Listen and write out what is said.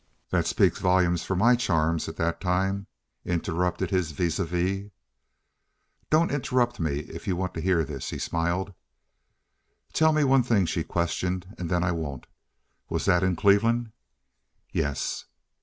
"That speaks volumes for my charms at that time," interrupted his vis a vis. "Don't interrupt me if you want to hear this," he smiled. "Tell me one thing," she questioned, "and then I won't. Was that in Cleveland?" "Yes."